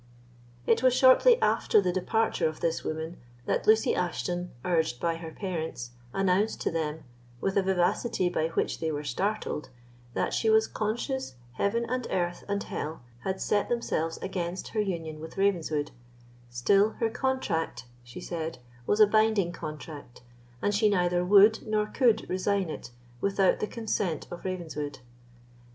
It was shortly after the departure of this woman, that Lucy Ashton, urged by her parents, announced to them, with a vivacity by which they were startled, "That she was conscious heaven and earth and hell had set themselves against her union with Ravenswood; still her contract," she said, "was a binding contract, and she neither would nor could resign it without the consent of Ravenswood.